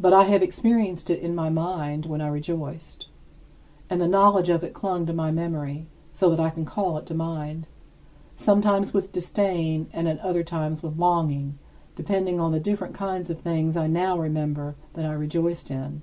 But I have experienced it in my mind when I rejoiced; and the knowledge of it clung to my memory so that I can call it to mind, sometimes with disdain and at other times with longing, depending on the different kinds of things I now remember that I rejoiced in.